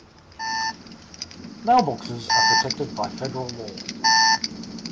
Mailboxes are protected by federal law.